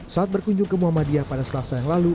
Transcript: saat berkunjung ke muhammadiyah pada selasa yang lalu